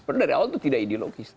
padahal dari awal itu tidak ideologis